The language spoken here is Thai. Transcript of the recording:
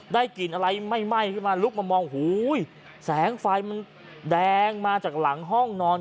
กลิ่นอะไรไหม้ขึ้นมาลุกมามองหูแสงไฟมันแดงมาจากหลังห้องนอน